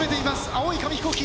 青い紙飛行機。